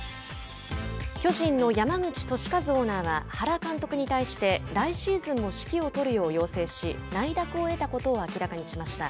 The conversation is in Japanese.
巨人の山口寿一オーナーは原監督に対して来シーズンも指揮を執るよう要請し内諾を得たことを明らかにしました。